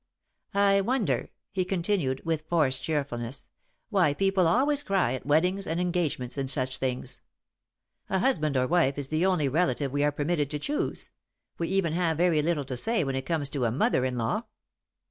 "I wonder," he continued, with forced cheerfulness, "why people always cry at weddings and engagements and such things? A husband or wife is the only relative we are permitted to choose we even have very little to say when it comes to a mother in law.